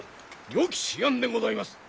よき思案でございます。